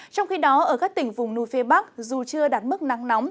trong khi đó ở các tỉnh vùng núi phía bắc dù chưa đạt mức nắng nóng